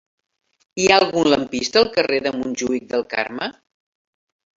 Hi ha algun lampista al carrer de Montjuïc del Carme?